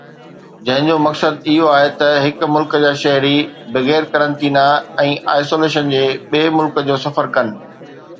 جنهن جو مقصد اهو آهي ته هڪ ملڪ جا شهري بغير قرنطينه ۽ آئسوليشن جي ٻئي ملڪ جو سفر ڪن